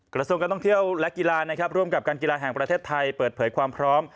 กระทรวงการท่องเที่ยวและกีฬานะครับร่วมกับการกีฬาแห่งประเทศไทยเปิดเผยความพร้อม